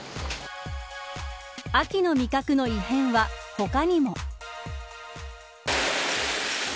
秋の味覚の異変は他にも。